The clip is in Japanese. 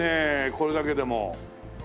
これだけでも。